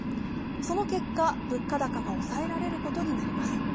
その結果、物価高が抑えられることになります。